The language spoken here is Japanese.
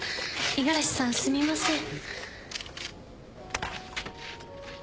五十嵐さんすみません。